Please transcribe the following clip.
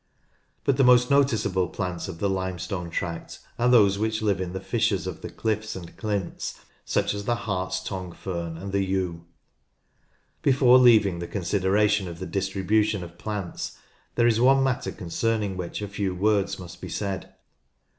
But the most noticeable plants of the limestone tract are those which live in the fissures of the cliffs and clints, such as the hart's tongue fern and the yew. 74 NORTH LANCASHIRE Before leaving the consideration of the distribution of plants there is one matter concerning which a few words must be said.